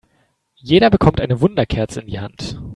Jeder bekommt eine Wunderkerze in die Hand.